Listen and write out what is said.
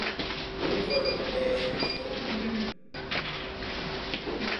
No cause of death was given.